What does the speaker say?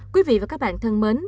quý vị và các bạn thân mến